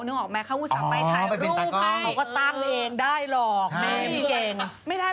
นึกออกไหมเขาอุตส่งไปถ่ายรูปให้เขาก็ตั้งเองได้หรอกไม่มีเพื่อน